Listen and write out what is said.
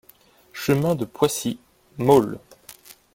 Chemin de Poissy, Maule